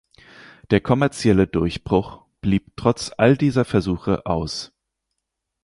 Der kommerzielle Durchbruch blieb trotz all dieser Versuche aus.